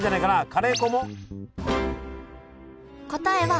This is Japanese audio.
カレー粉も？